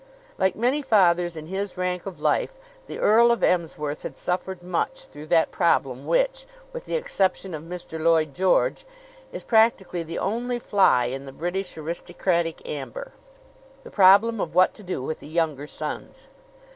Like many fathers in his rank of life, the Earl of Emsworth had suffered much through that problem which, with the exception of Mr. Lloyd George, is practically the only fly in the British aristocratic amber the problem of what to do with the younger sons.